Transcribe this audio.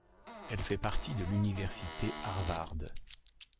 Elle fait partie de l'université Harvard.